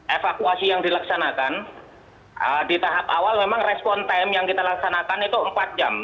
evakuasi yang dilaksanakan di tahap awal memang respon time yang kita laksanakan itu empat jam